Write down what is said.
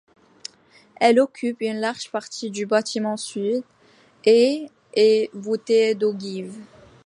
Elle occupe une large partie du bâtiment sud, et est voûtée d'ogives.